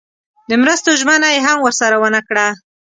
د مرستو ژمنه یې هم ورسره ونه کړه.